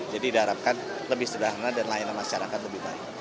jadi diharapkan lebih sederhana dan layanan masyarakat lebih baik